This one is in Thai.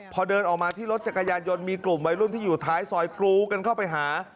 พอเดินออกมาที่รถจักรยานยนต์มีกลุ่มวัยรุ่นที่อยู่ท้ายซอยกรูกันเข้าไปหา